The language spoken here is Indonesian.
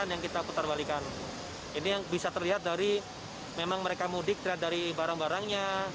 yang bisa terlihat dari memang mereka mudik terlihat dari barang barangnya